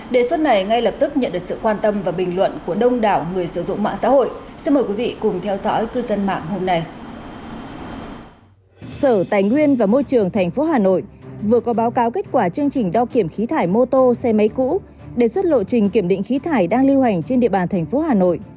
đề xuất này ngay lập tức nhận được sự quan tâm và bình luận của đông đảo người sử dụng mạng xã hội